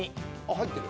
入ってる？